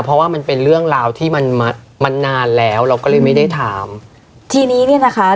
เพราะว่ามันเป็นเรื่องราวที่มันมามันนานแล้วเราก็เลยไม่ได้ถามทีนี้เนี้ยนะคะ